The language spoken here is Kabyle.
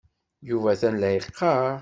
Yuba atan la yeqqar.